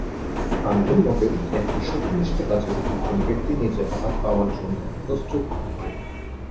গান্ধীর মতে, একটি সত্যনিষ্ঠ কাজে একজন ব্যক্তি নিজে আঘাত পাওয়ার জন্য প্রস্ত্তত থাকবে।